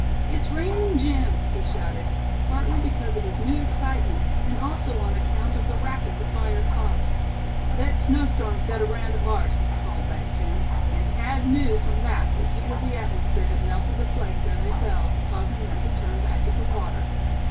"It's raining, Jim!" he shouted, partly because of his new excitement, and also on account of the racket the fire caused. "Thet snow storm's gut 'raound et larst," called back Jim; and Thad knew from that the heat of the atmosphere had melted the flakes ere they fell, causing them to turn back into water.